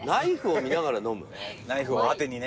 ナイフをアテにね。